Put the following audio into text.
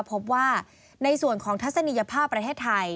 พบว่าในส่วนของทัศนียภาพประเทศไทย